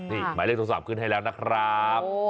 นี่หมายเลขโทรศัพท์ขึ้นให้แล้วนะครับ